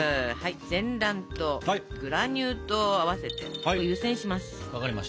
全卵とグラニュー糖を合わせて湯せんします。